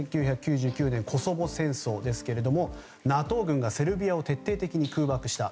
１９９９年コソボ戦争ですけれどもＮＡＴＯ軍がセルビアを徹底的に空爆した。